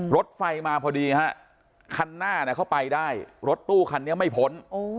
รถไฟมาพอดีฮะคันหน้าเข้าไปได้รถตู้คันนี้ไม่พ้น